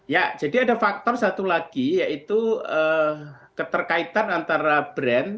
ya jadi ada faktor satu lagi yaitu keterkaitan antara brand